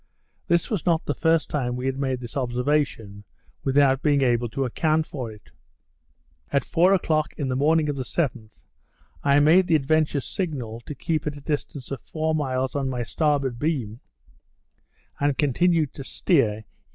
This was not the first time we had made this observation, without being able to account for it. At four o'clock in the morning of the 7th, I made the Adventure's signal to keep at the distance of four miles on my starboard beam; and continued to steer E.